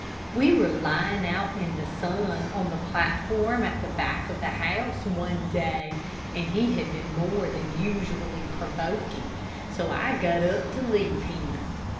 We were lying out in the sun, on the platform at the back of the house, one day, and he had been more than usually provoking, so I got up to leave him.